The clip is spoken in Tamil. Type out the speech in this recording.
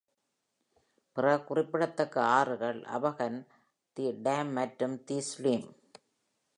பிற குறிப்பிடத்தக்க ஆறுகள், அபகன், தி டாம் மற்றும் தி சுலிம்.